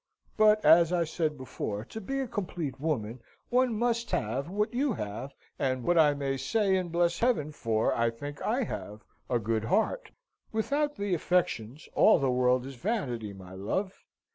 But, as I said before, to be a complete woman, one must have, what you have, what I may say and bless Heaven for, I think I have a good heart. Without the affections, all the world is vanity, my love!